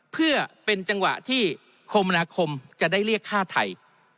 เพื่อเป็นจังหวะที่คมนาคมจะได้เรียกฆ่าไทย